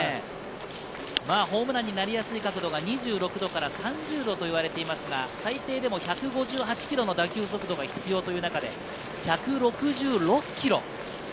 ホームランになりやすい角度は２６度から３０度と言われていますから、最低でも１５８キロの打球速度が必要という中で、１６６キロ。